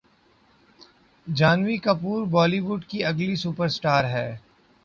Jhanvi Kapoor Bollywood کی اگلی super star